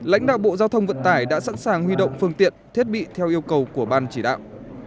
lãnh đạo bộ giao thông vận tải đã sẵn sàng huy động phương tiện thiết bị theo yêu cầu của ban chỉ đạo